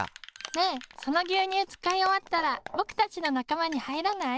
ねえそのぎゅうにゅうつかいおわったらぼくたちのなかまにはいらない？